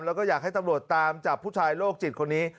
แล้วก็อยากให้ตำรวจตามจับผู้ชายโรคจิตคนนี้